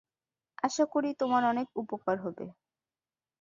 আশা করি, তোমার অনেক উপকার হবে।